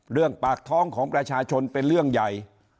เรื่องปากท้องของประชาชนเป็นเรื่องใหญ่